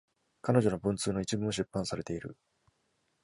彼女の文通の一部も出版されている。